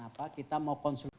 tata kelola dana pensiun